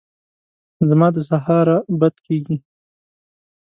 زما د سهاره بد کېږي !